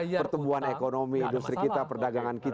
pertumbuhan ekonomi industri kita perdagangan kita